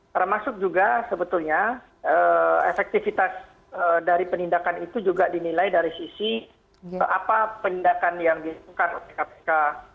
termasuk juga sebetulnya efektivitas dari penindakan itu juga dinilai dari sisi apa penindakan yang dilakukan oleh kpk